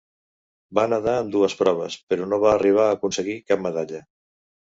Va nedar en dues proves, però no va arribar a aconseguir cap medalla.